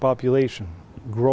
có năng lực nâng cao